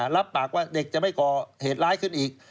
รับปากว่าเด็กจะไม่ก่อเหตุร้ายขึ้นอีก